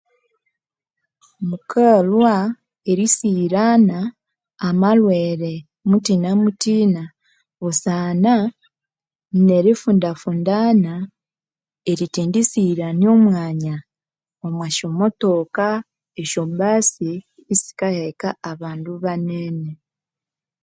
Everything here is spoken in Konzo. Mukalhwa irisiyirana amalhwere muthinamuthina busana nerifundafundana erithendisiyirana omwanya omushotoka nesyobusi esikaheka abandu banene